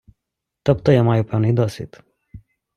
Тобто я маю певний досвід.